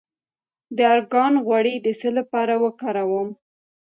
د ارګان غوړي د څه لپاره وکاروم؟